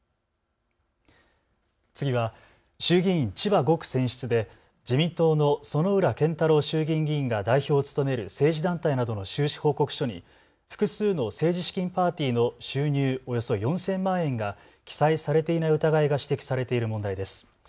次は衆議院千葉５区選出で自民党の薗浦健太郎衆議院議員が代表を務める政治団体などの収支報告書に複数の政治資金パーティーの収入およそ４０００万円が記載されていない疑いが指摘されている問題です。